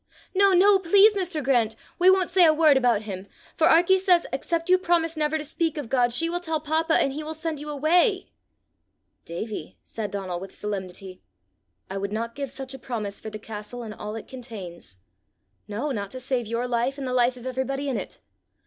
"No, no, please, Mr. Grant! We won't say a word about him, for Arkie says except you promise never to speak of God, she will tell papa, and he will send you away." "Davie," said Donal with solemnity, "I would not give such a promise for the castle and all it contains no, not to save your life and the life of everybody in it!